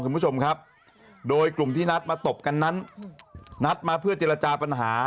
คุณผู้ชมครับโดยกลุ่มที่นัดมาตบกันนั้นนัดมาเพื่อเจรจาปัญหา